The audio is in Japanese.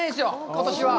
ことしは。